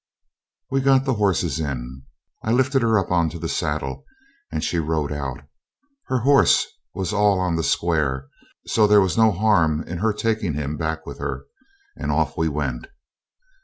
We'd got the horses in. I lifted her up on to the saddle, and she rode out. Her horse was all on the square, so there was no harm in her taking him back with her, and off we went.